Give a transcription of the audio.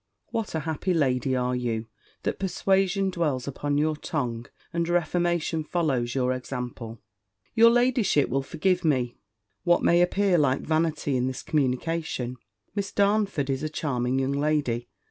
"What a happy lady are you, that persuasion dwells upon your tongue, and reformation follows your example!" Your ladyship will forgive me what may appear like vanity in this communication. Miss Darnford is a charming young lady.